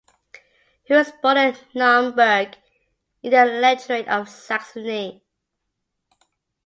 He was born in Naumburg, in the Electorate of Saxony.